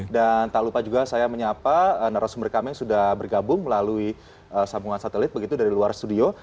dan tak lupa juga saya menyapa narasumber kami yang sudah bergabung melalui sambungan satelit begitu dari luar studio